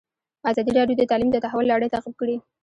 ازادي راډیو د تعلیم د تحول لړۍ تعقیب کړې.